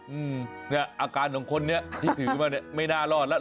อืมเนี่ยอาการของคนนี้ที่ถือมาเนี่ยไม่น่ารอดแล้ว